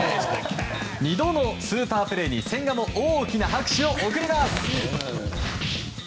２度のスーパープレーに千賀も大きな拍手を送ります。